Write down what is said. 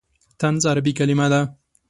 طنز عربي کلمه ده.